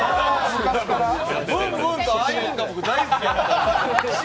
ブンブンとアイーンが大好きだったので。